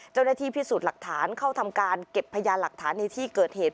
เจ้าหน้าที่พิสูจน์หลักฐานเข้าทำการเก็บพยานหลักฐานในที่เกิดเหตุ